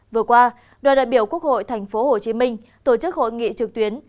vừa qua đoàn đại biểu quốc hội tp hcm tổ chức hội nghị trực tuyến